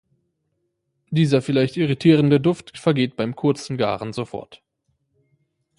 Dieser vielleicht irritierende Duft vergeht beim kurzen Garen sofort.